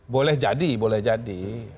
boleh jadi boleh jadi